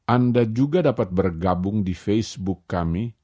anda juga dapat bergabung di facebook kami